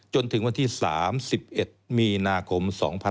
จนถึงวันที่๓๑มีนาคม๒๕๖๒